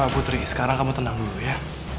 putri sekarang kamu tenang dulu ya